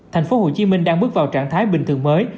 tp hcm đang bước vào trạng thái bình thường mới